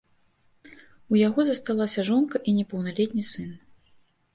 У яго засталася жонка і непаўналетні сын.